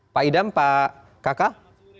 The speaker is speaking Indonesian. siap pak kakak